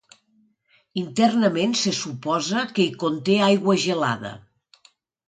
Internament se suposa que hi conté aigua gelada.